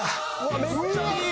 めっちゃいい！